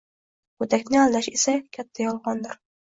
Go’dakni aldash eng katta yolg’ondir!